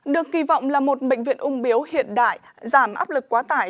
được kỳ vọng là một bệnh viện ung biếu hiện đại giảm áp lực quá tải